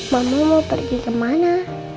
mama mau pergi kemana